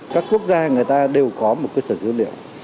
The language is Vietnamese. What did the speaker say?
các quốc gia người ta đều có một cơ sở dữ liệu